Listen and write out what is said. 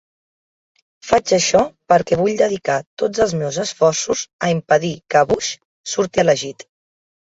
Faig això perquè vull dedicar tots els meus esforços a impedir que Bush surti elegit.